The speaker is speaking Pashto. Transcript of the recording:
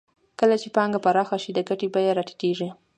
کله چې پانګه پراخه شي د ګټې بیه راټیټېږي